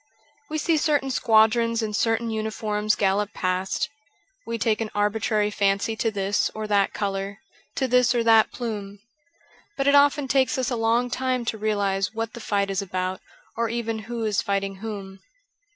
We see certain squadrons in certain uniforms gallop past ; we take an arbitrary fancy to this or that colour, to this or that plume. But it often takes us a long time to realize what the fight is about or even who is fighting whom.